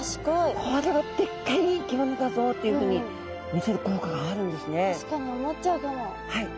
「これはでっかい生き物だぞ」っていうふうに見せる効果があるんですね。